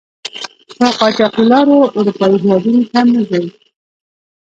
په قاچاقي لارو آروپایي هېودونو ته مه ځئ!